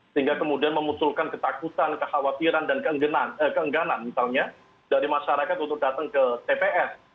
sehingga kemudian memunculkan ketakutan kekhawatiran dan keengganan misalnya dari masyarakat untuk datang ke tps